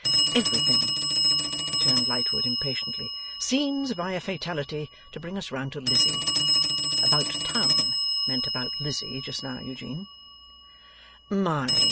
'Everything,' returned Lightwood impatiently, 'seems, by a fatality, to bring us round to Lizzie. "About town" meant about Lizzie, just now, Eugene.